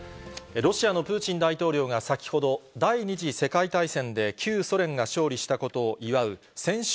ロシアのプーチン大統領が先ほど、第２次世界大戦で旧ソ連が勝利したことを祝う戦勝